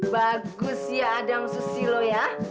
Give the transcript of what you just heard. bagus ya adam susilo ya